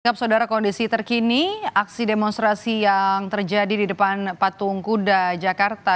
ungkap saudara kondisi terkini aksi demonstrasi yang terjadi di depan patung kuda jakarta